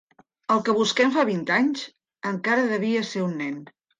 El que busquem fa vint anys encara devia ser un nen.